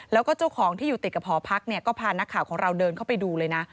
แล้วก็เจ้าของที่อยู่ติดกับหอพักเนี่ยก็พานักข่าวของเราเดินเข้าไปดูเลยนะ